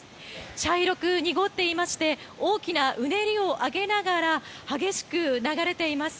茶色く濁っていまして大きなうねりを上げながら激しく流れています。